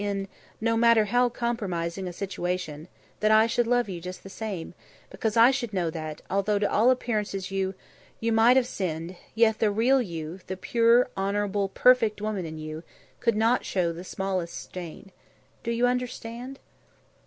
in no matter how compromising a situation that I should love you just the same, because I should know that, although to all appearances you you might have sinned, yet the real you, the pure, honourable, perfect woman in you, could not show the smallest stain. Do you understand?"